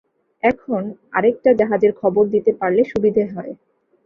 এখন, আরেকটা জাহাজের খবর দিতে পারলে সুবিধে হয়।